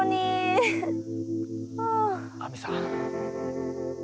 亜美さん。